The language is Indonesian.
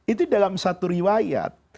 itu dalam satu riwayat